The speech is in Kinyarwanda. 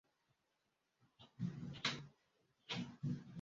Umugabo ufite ibikoresho bye byose kuzamuka urutare